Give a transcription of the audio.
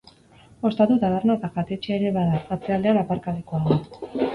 Ostatu, taberna eta jatetxea ere bada, atzealdean aparkalekua du.